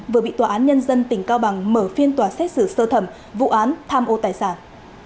vừa bị tòa án nhân dân tỉnh cao bằng mở phiên tòa xét xử sơ thẩm vụ án tham ô tài sản